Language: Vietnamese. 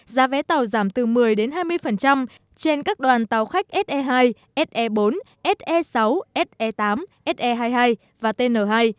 giá vé tàu giảm từ một mươi đến hai mươi trên các đoàn tàu khách se hai se bốn se sáu se tám se hai mươi hai và tn hai